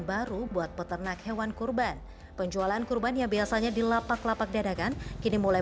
baru buat peternak hewan kurban penjualan kurban yang biasanya di lapak lapak dadakan kini mulai